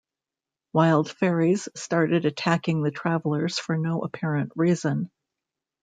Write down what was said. Wild fairies started attacking the travelers for no apparent reason.